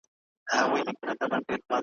پړ هم زه سوم مړ هم زه سوم `